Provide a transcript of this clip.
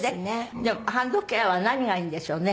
じゃあハンドケアは何がいいんでしょうね？